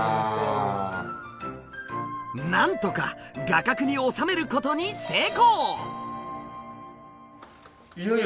なんとか画角に収めることに成功！